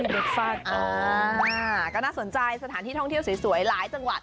เด็กฟาดอ่าก็น่าสนใจสถานที่ท่องเที่ยวสวยหลายจังหวัด